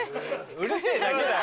うるせぇだけだよ